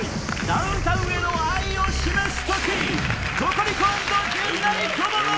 ダウンタウンへの愛を示す時！